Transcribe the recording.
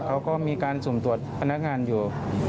เขาก็มีการสุ่มตรวจพนักงานอยู่